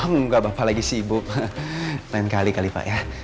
gak apa apa lagi sibuk lain kali kali pak ya